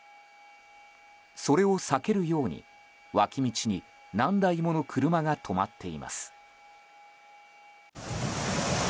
それを避けるように脇道に何台もの車が止まっています。